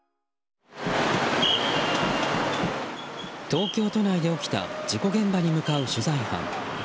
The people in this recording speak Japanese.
東京都内で起きた事故現場に向かう取材班。